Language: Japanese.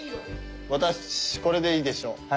私これでいいでしょう。